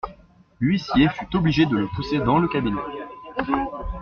L'huissier fut obligé de le pousser dans le cabinet.